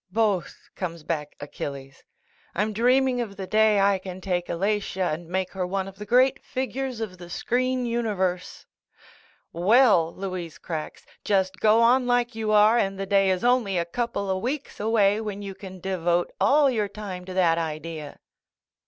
"Both," comes back Achilles. "I'm dreaming of the day I can take Alatia and make her one of the great figures of the screen universe." "Well," Louise cracks, "Just go on like you are and the day is only a couple a weeks away when you can devote all your time to that idea."